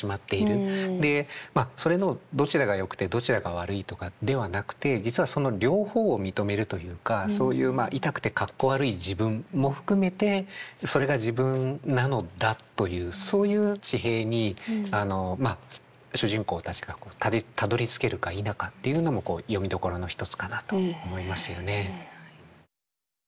でそれのどちらがよくてどちらが悪いとかではなくて実はその両方を認めるというかそういう痛くてかっこ悪い自分も含めてそれが自分なのだというそういう地平にまあ主人公たちがたどりつけるか否かっていうのも読みどころの一つかなと思いますよね。